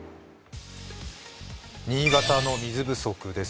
新潟の水不足です。